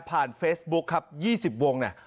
ผ่านเฟสบุ๊คครับ๒๐วง